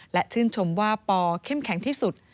และชื่นชมว่าปอเข้มแข็งที่สุด